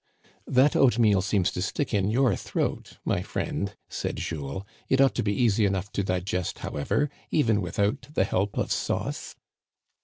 That oatmeal seems to stick in your throat, my friend," said Jules ;" it ought to be easy enough to di gest, however, even without the help of sauce."